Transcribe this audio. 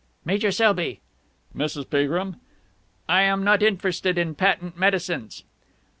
"Major Selby!" "Mrs. Peagrim?" "I am not interested in patent medicines!"